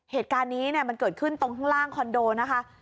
เหตุการณ์นี้มันเกิดขึ้นตรงข้างล่างคอนโดนะคะ